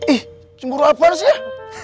ih cemburu apaan sih